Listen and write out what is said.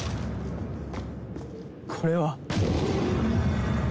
これは！